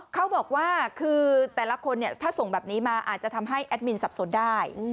เขาบอกว่าคือแต่ละคนเนี่ยถ้าส่งแบบนี้มาอาจจะทำให้แอดมินสับสนได้